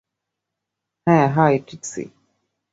হ্যাঁ, হাই, ট্রিক্সি।